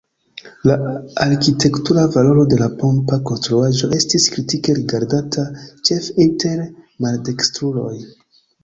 La arkitektura valoro de la pompa konstruaĵo estis kritike rigardata, ĉefe inter maldekstruloj.